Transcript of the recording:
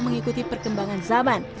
mengikuti perkembangan zaman